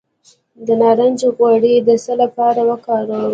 د نارنج غوړي د څه لپاره وکاروم؟